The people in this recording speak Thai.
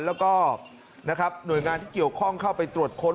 แล้วก็นะครับหน่วยงานที่เกี่ยวข้องเข้าไปตรวจค้น